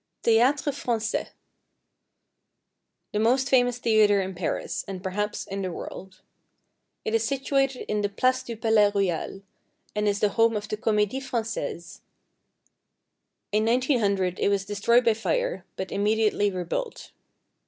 =Théâtre Français.= The most famous theatre in Paris, and, perhaps, in the world. It is situated in the Place du Palais Royal, and is the home of the Comédie Française. In 1900 it was destroyed by fire, but immediately rebuilt.